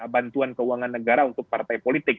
bantuan keuangan negara untuk partai politik